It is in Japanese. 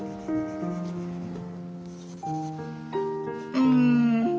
うん。